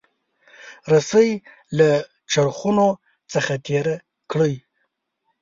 رسۍ له چرخونو څخه تیره کړئ.